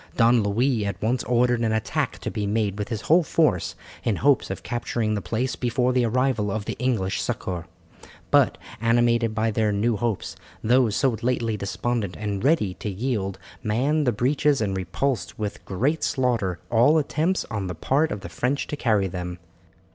Don Louis at once ordered an attack to be made with his whole force, in hopes of capturing the place before the arrival of the English succour. But, animated by their new hopes, those so lately despondent and ready to yield manned the breaches and repulsed with great slaughter all attempts on the part of the French to carry them.